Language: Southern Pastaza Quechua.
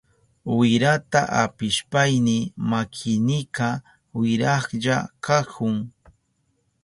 Wirata apishpayni makinika wirahlla kahun.